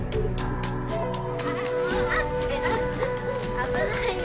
・・危ないよ！